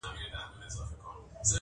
د ستورو په رڼا به رویباري کوو د میني!.